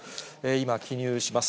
今、記入します。